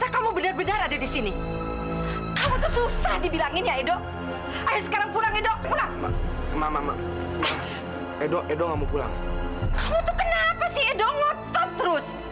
kenapa si edo ngotot terus